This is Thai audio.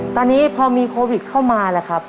ตอนนี้พอมีโควิดเข้ามาแล้วครับ